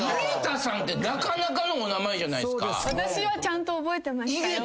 私はちゃんと覚えてましたよ。